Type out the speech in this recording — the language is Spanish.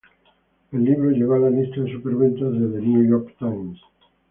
El libro llegó a la lista de superventas de "The New York Times".